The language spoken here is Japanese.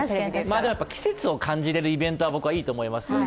でも季節を感じれるイベントは僕はいいと思いますね。